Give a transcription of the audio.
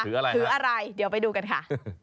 อะไรถืออะไรเดี๋ยวไปดูกันค่ะ